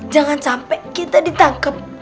jangan sampai kita ditangkep